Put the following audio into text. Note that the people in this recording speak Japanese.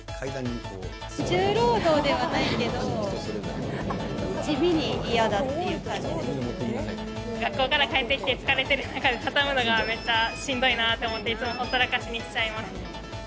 重労働ではないけど、地味に学校から帰ってきて疲れてる中で、畳むのがめっちゃしんどいなと思って、いつもほったらかしにしちゃいます。